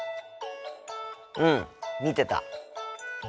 うん見てた。